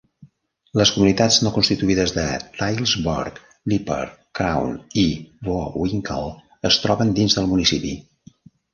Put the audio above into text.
Les comunitats no constituïdes de Tylersburg, Leeper, Crown i Vowinckel es troben dins del municipi.